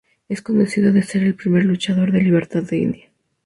Es conocido de ser el Primer Luchador de Libertad de India.